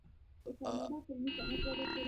د کاناډا فلمي صنعت وده کړې.